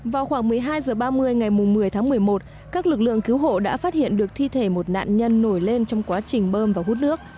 vào khoảng một mươi hai h ba mươi ngày một mươi tháng một mươi một các lực lượng cứu hộ đã phát hiện được thi thể một nạn nhân nổi lên trong quá trình bơm và hút nước